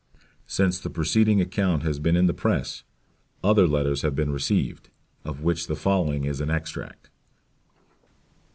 Since the preceding account has been in the press, other letters have been received, of which the following is an extract.